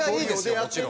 もちろん。